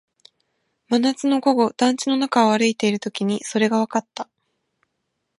真夏の午後、団地の中を歩いているときにそれがわかった